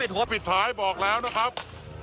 โทรปิดท้ายบอกแล้วนะครับ